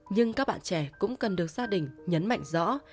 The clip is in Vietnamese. nhưng các bạn trẻ cũng cần được gia đình nhấn mạnh rõ